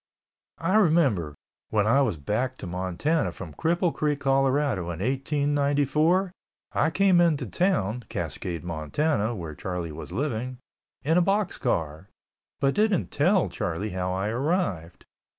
I remember, when I went back to Montana from Cripple Creek, Colorado, in 1894, I came into town (Cascade, Montana—where Charlie was living) in a box car, but didn't tell Charlie how I arrived.